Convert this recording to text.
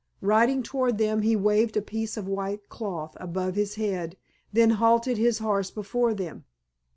Riding toward them he waved a piece of white cloth above his head, then halted his horse before them.